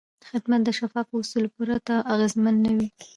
خدمت د شفافو اصولو پرته اغېزمن نه وي.